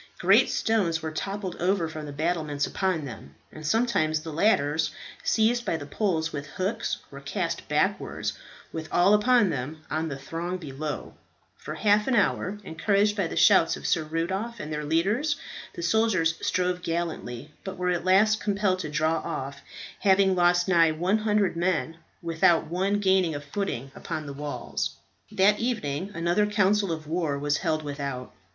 Great stones were toppled over from the battlements upon them; and sometimes the ladders, seized by the poles with hooks, were cast backwards, with all upon them, on the throng below. For half an hour, encouraged by the shouts of Sir Rudolph and their leaders, the soldiers strove gallantly; but were at last compelled to draw off, having lost nigh 100 men, without one gaining a footing upon the walls. That evening another council of war was held without.